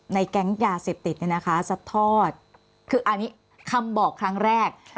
แก๊งยาเสพติดเนี่ยนะคะสัดทอดคืออันนี้คำบอกครั้งแรก